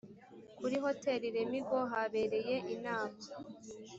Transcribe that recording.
kuri hotel lemigo habereye inama .